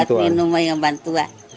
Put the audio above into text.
bantuan minumnya yang bantuan